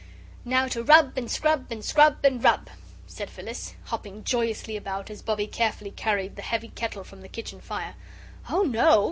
"Now to rub and scrub and scrub and rub," said Phyllis, hopping joyously about as Bobbie carefully carried the heavy kettle from the kitchen fire. "Oh, no!"